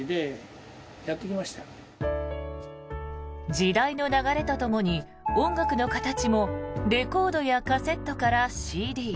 時代の流れとともに音楽の形もレコードやカセットからＣＤ